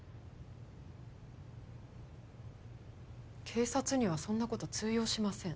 警察にはそんな事通用しません。